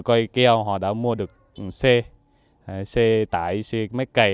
từ cây keo họ đã mua được xe xe tải xe máy cây